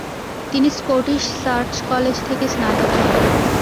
তিনি Scottish Church College থেকে স্নাতক হন।